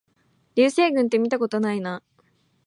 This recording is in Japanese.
流星群ってみたことないな